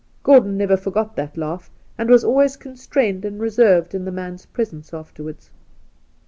Gordon never forgot that laugh, and was always constrained and reserved in the man's pre sence afterwards.